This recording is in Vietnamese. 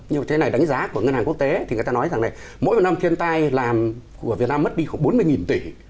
nhưng mà thế này đánh giá của ngân hàng quốc tế thì người ta nói rằng là mỗi năm thiên tai làm của việt nam mất đi khoảng bốn mươi tỷ